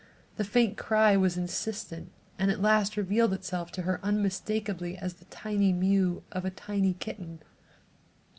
The faint cry was insistent and at last revealed itself to her unmistakably as the tiny mew of a tiny kitten.